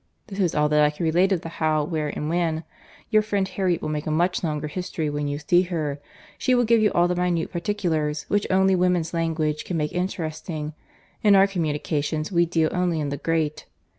This is all that I can relate of the how, where, and when. Your friend Harriet will make a much longer history when you see her.—She will give you all the minute particulars, which only woman's language can make interesting.—In our communications we deal only in the great.